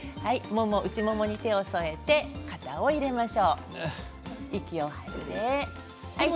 内ももに手を添えて肩を入れます。